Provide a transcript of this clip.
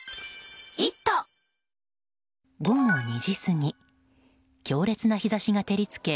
午後２時過ぎ強烈な日差しが照り付け